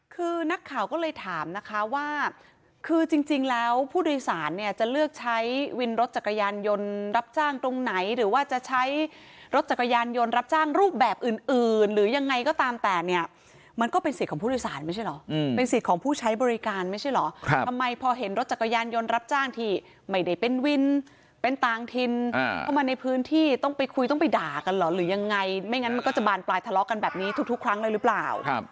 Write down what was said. คือนักข่าวก็เลยถามนะคะว่าคือจริงแล้วผู้โดยสารเนี่ยจะเลือกใช้วินรถจักรยานยนต์รับจ้างตรงไหนหรือว่าจะใช้รถจักรยานยนต์รับจ้างรูปแบบอื่นหรือยังไงก็ตามแต่เนี่ยมันก็เป็นสิทธิ์ของผู้โดยสารไม่ใช่หรอเป็นสิทธิ์ของผู้ใช้บริการไม่ใช่หรอทำไมพอเห็นรถจักรยานยนต์รับจ้างที่ไม่ได้เป็นว